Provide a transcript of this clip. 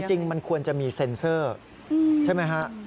จริงมันควรจะมีเซ็นเซอร์ใช่ไหมฮะ